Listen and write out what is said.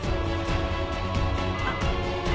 あっ。